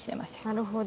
なるほど。